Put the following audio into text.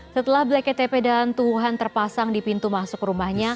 setelah bleket tepe dan tubuhan terpasang di pintu masuk rumahnya